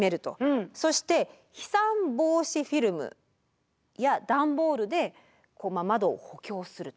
そして飛散防止フィルムや段ボールで窓を補強すると。